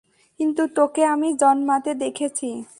কিন্তু তোকে আমি জন্মাতে দেখেছি।